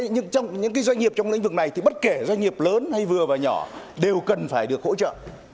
nhưng trong những doanh nghiệp trong lĩnh vực này thì bất kể doanh nghiệp lớn hay vừa và nhỏ đều cần phải được hỗ trợ